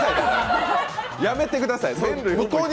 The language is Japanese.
やめてください！